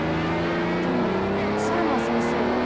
でも佐山先生は。